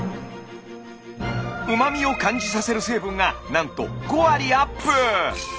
うまみを感じさせる成分がなんと５割アップ！